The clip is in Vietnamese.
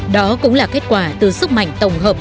đó cũng là kết quả từ sức mạnh tổng hợp